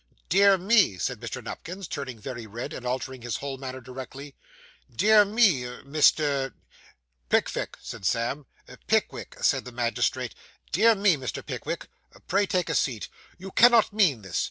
'Dear me,' said Mr. Nupkins, turning very red, and altering his whole manner directly. 'Dear me, Mr. ' 'Pickvick,' said Sam. 'Pickwick,' said the magistrate, 'dear me, Mr. Pickwick pray take a seat you cannot mean this?